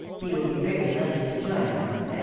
207 he will be very likely to join us ....